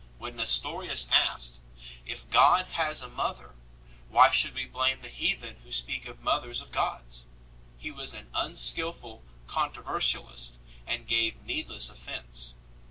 When Nestorius asked, " If God has a Mother, why should we blame the heathen who speak of mothers of gods 1 ?" he was an unskilful controversialist and gave need less offence.